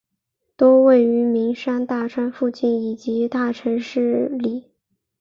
多位于名山大川附近以及大城市里。